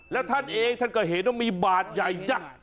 แล้วท่านเองท่านก็เห็นว่ามีบาทใหญ่ยักษ์